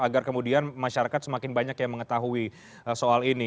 agar kemudian masyarakat semakin banyak yang mengetahui soal ini